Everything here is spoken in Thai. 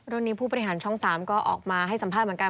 ผู้บริหารช่อง๓ก็ออกมาให้สัมภาษณ์เหมือนกัน